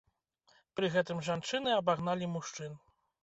Пры гэтым жанчыны абагналі мужчын.